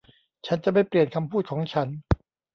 ฉันจะไม่เปลี่ยนคำพูดของฉัน